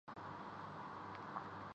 انوکھا منظر کیمرے کی آنکھ میں محفوظ ہوگیا